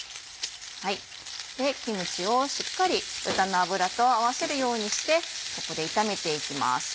キムチをしっかり豚の脂と合わせるようにしてここで炒めていきます。